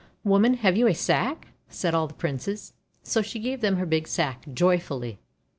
'Woman, have you a sack?' said all the Princes. So she gave them her big sack, joyfully.